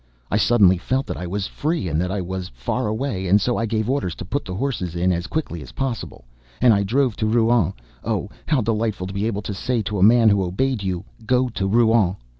I suddenly felt that I was free and that he was far away, and so I gave orders to put the horses in as quickly as possible, and I drove to Rouen. Oh! How delightful to be able to say to a man who obeyed you: "Go to Rouen!"